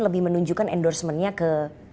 lebih menunjukkan endorsement nya ke